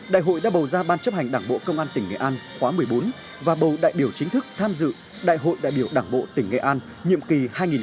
đại hội đã bầu ra ban chấp hành đảng bộ công an tỉnh nghệ an khóa một mươi bốn và bầu đại biểu chính thức tham dự đại hội đại biểu đảng bộ tỉnh nghệ an nhiệm kỳ hai nghìn hai mươi hai nghìn hai mươi năm